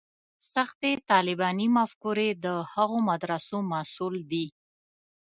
سختې طالباني مفکورې د هغو مدرسو محصول دي.